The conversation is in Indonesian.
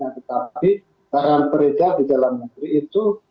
tetapi barang beredar di dalam negeri itu